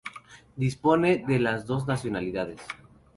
Dispone de las dos nacionalidades.